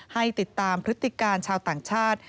ให้ติดตามพฤติการชาวต่างชาติ